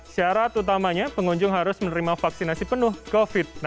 syarat utamanya pengunjung harus menerima vaksinasi penuh covid sembilan belas